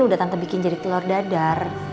udah tante bikin jadi telur dadar